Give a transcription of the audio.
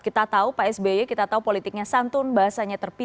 kita tahu pak sby kita tahu politiknya santun bahasanya terpisah